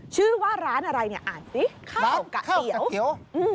ชื่อว่าร้านอะไรเนี่ยอ่านสิข้าวกะเตี๋ยเขียว